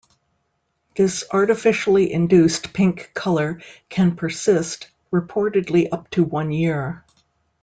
This artificially induced pink color can persist, reportedly up to one year.